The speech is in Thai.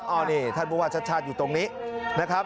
อ้าวนี่ท่านบุพรรดิชัดอยู่ตรงนี้นะครับ